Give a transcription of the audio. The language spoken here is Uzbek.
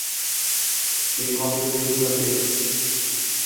Mening xotinimday ko’zlari qiyiq.